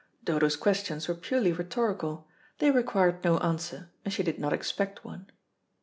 Dodo's questions were purely rhetorical; they required no answer, and she did not expect one.